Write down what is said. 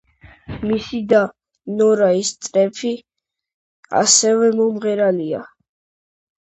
მისი და, ნორა ისტრეფი ასევე მომღერალია.